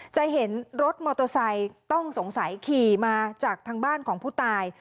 จะเห็นรถมอเตอร์ไซค์ต้องสงสัยขี่มาจากทางบ้านของผู้ตาย